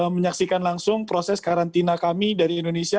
menyaksikan langsung proses karantina kami dari indonesia